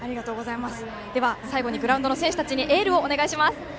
最後にグラウンドの選手たちにエールをお願いします。